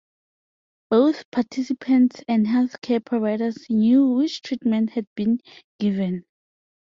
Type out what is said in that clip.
Both participants and health care providers knew which treatment had been given.